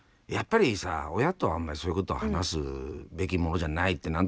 やっぱりさ親とあんまりそういうことを話すべきものじゃないって